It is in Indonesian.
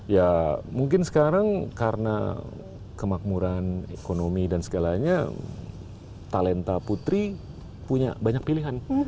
ya mungkin sekarang karena kemakmuran ekonomi dan segalanya talenta putri punya banyak pilihan